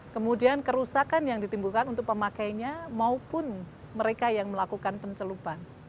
kemudian kerusakan yang ditimbulkan untuk pemakainya maupun mereka yang melakukan pencelupan